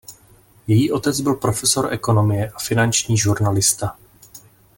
Její otec byl profesor ekonomie a finanční žurnalista.